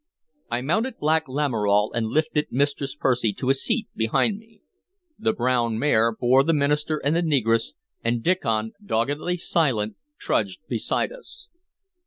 I mounted Black Lamoral, and lifted Mistress Percy to a seat behind me. The brown mare bore the minister and the negress, and Diccon, doggedly silent, trudged beside us.